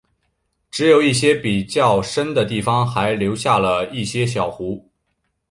只有一些比较深的地方还留下了一些小湖。